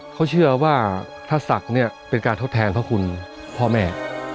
เขาเชื่อว่าถ้าศักดิ์เนี่ยเป็นการทดแทนพระคุณพ่อแม่